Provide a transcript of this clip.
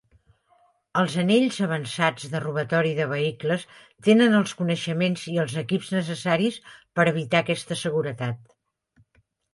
Els "anells" avançats de robatori de vehicles tenen els coneixements i els equips necessaris per evitar aquesta seguretat.